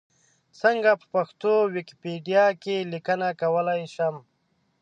څنګه په پښتو ویکیپېډیا کې لیکنه کولای شم؟